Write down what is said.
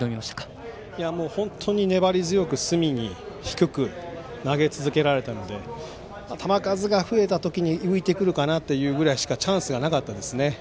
本当に粘り強く隅に低く投げ続けられたので球数が増えた時に浮いてくるかなというくらいしかチャンスがなかったですね。